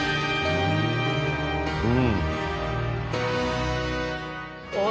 うん。